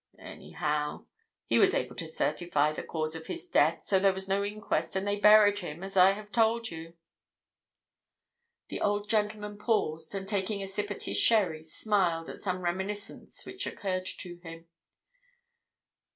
Anyhow, he was able to certify the cause of his death, so there was no inquest and they buried him, as I have told you." The old gentleman paused and, taking a sip at his sherry, smiled at some reminiscence which occurred to him.